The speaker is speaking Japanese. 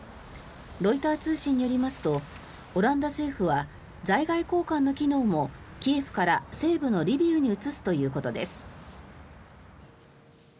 ロイター通信によりますとオランダ政府は在外公館の機能もキエフから西部のリビウに移すということです。